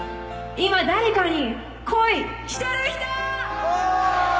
今誰かに恋してる人！